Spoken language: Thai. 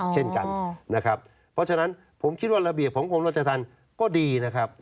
เพราะฉะนั้นผมคิดว่าระเบียบของโครงโรชธรรมดิ์ก็ดีนะครับ